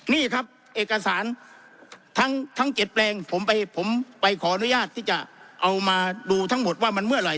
นี่ครับเอกสารทั้ง๗แปลงผมไปขออนุญาตที่จะเอามาดูทั้งหมดว่ามันเมื่อไหร